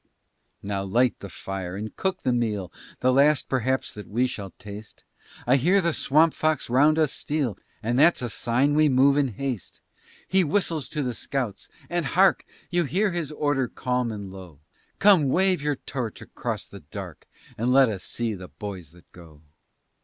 Now light the fire and cook the meal, The last perhaps that we shall taste; I hear the Swamp Fox round us steal, And that's a sign we move in haste. He whistles to the scouts, and hark! You hear his order calm and low. Come, wave your torch across the dark, And let us see the boys that go.